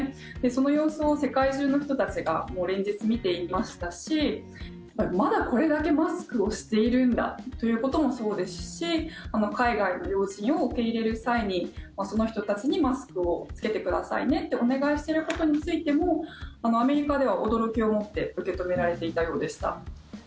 その様子を世界中の人たちが連日見ていましたしまだこれだけマスクをしてるんだということもそうですし海外の要人を受け入れる際にその人たちにマスクを着けてくださいねってお願いしていることについてもアメリカでは驚きをもって受け止められていたようでした。